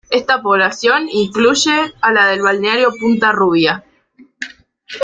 Esta población incluye a la del balneario Punta Rubia.